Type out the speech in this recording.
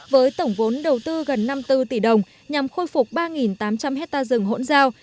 với tổng vốn đầu tư gần năm mươi bốn tỷ đồng nhằm khôi phục ba tám trăm linh hectare rừng hỗn giao